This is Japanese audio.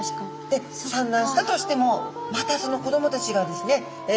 で産卵したとしてもまたその子どもたちがですね